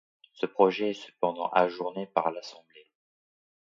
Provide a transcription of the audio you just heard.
Ce projet est cependant ajourné par l'assemblée.